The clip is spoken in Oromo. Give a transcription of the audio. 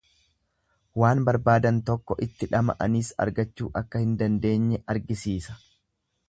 Waan barbaadan tokko itti dhama'aniis argachuu akka hin dandeenye argisiisa.